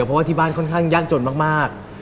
เพราะว่าที่บ้านค่อนข้างยากจนมาก